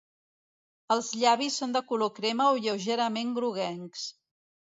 Els llavis són de color crema o lleugerament groguencs.